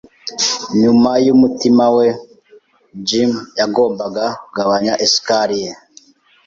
Nyuma yumutima we, Jim yagombaga kugabanya isukari ye.